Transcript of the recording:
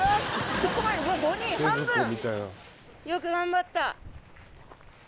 すごいもう５人半分よく頑張った